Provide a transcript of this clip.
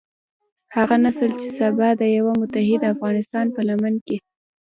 هغه نسل چې سبا د يوه متحد افغانستان په لمن کې.